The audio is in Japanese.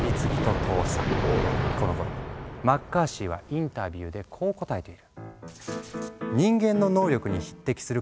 このころマッカーシーはインタビューでこう答えている。